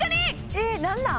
え何なん！？